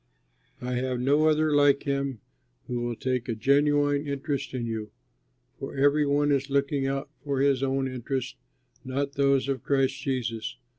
I have no other like him who will take a genuine interest in you, for every one is looking out for his own interests, not those of Christ Jesus.